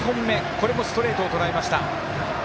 これもストレートをとらえました。